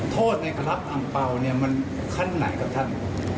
ทอดที่หลับอ่างเปล่าคลั้นหน่ายกับท่าน